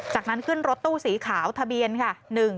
จากนั้นขึ้นรถตู้สีขาวทะเบียนค่ะ